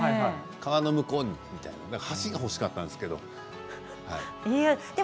川の向こうにみたいな河岸が欲しかったんですけれども。